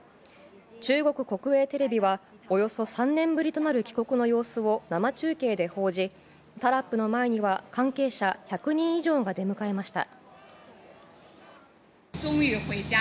中国国営テレビはおよそ３年ぶりとなる帰国の様子を生中継で報じタラップの前には関係者１００人以上が出迎えました。